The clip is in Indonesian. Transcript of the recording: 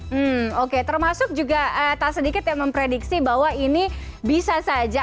hmm oke termasuk juga tak sedikit yang memprediksi bahwa ini bisa saja